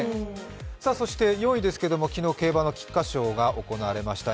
そして４位ですけれども、昨日競馬の菊花賞が行われました。